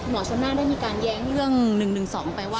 หมอชนน่าได้มีการย้ายเรื่อง๑๑๒ไปไว้